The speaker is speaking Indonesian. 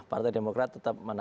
partai demokrat tetap menunggu